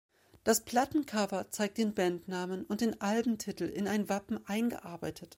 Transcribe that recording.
Das Plattencover zeigt den Bandnamen und den Albentitel in ein Wappen eingearbeitet.